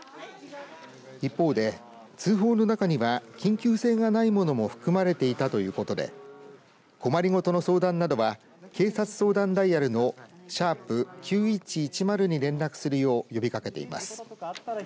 一方で通報の中には緊急性がないものも含まれていたということで困りごとの相談などは警察相談ダイヤルの＃９１１０に連絡するよう呼びかけています。